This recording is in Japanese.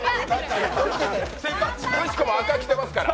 くしくも赤着てますから。